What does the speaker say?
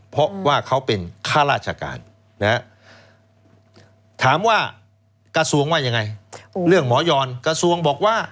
เพราะว่าเขาเป็นข้าราชการถามว่ากระทรวงว่ายังไงเรื่องหมอยอนกระทรวงบอกว่า